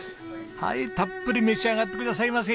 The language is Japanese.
はいたっぷり召し上がってくださいませ。